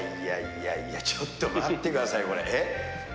いやいやいやいや、ちょっと待ってください、これ。